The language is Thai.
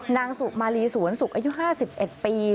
นางสุมารีสวนสุกอายุ๕๑ปี